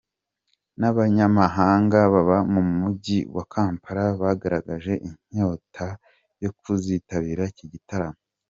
Nabanyamahanga baba mu mujyi wa Kampala bagaragaje inyota yo kuzitabira iki gitaramo.